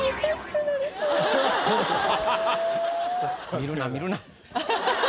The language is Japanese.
見るな見るな。